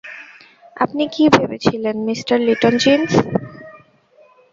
আপনি কি ভেবেছিলেন, মিঃ লিটলজিন্স?